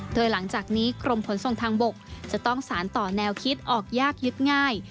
โดยหลังจากนี้กรมขนส่งทางบกจะต้องสารต่อแนวคิดออกยากยึดง่าย